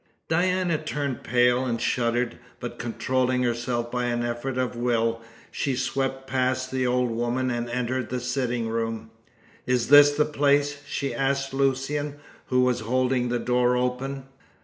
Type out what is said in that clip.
Diana turned pale and shuddered, but controlling herself by an effort of will, she swept past the old woman and entered the sitting room. "Is this the place?" she asked Lucian, who was holding the door open.